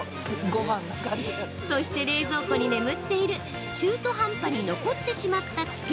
そして、冷蔵庫に眠っている中途半端に残ってしまったつけ